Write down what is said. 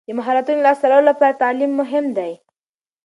د مهارتونو لاسته راوړلو لپاره تعلیم مهم دی.